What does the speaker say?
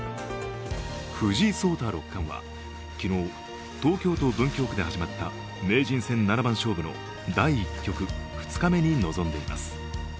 藤井聡太六冠は昨日、東京・文京区で始まった名人戦七番勝負の第１局・２日目に臨んでいます。